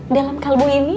dalam kalbu ini